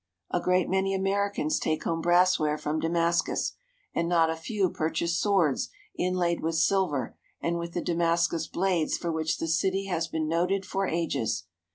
A great many Americans take home brassware from Damascus, and not a few purchase swords inlaid with silver and with the Damascus blades for which the city has been noted for ages.